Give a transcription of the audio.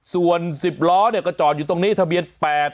ส่วน๑๐ล้อก็จอดอยู่ตรงนี้ทะเบียน๘๘